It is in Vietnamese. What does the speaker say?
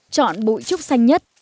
chọn bụi trúc xanh nhất